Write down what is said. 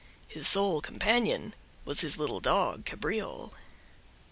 His sole companion was his little dog Cabriole.